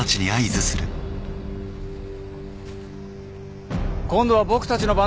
今度は僕たちの番ですか？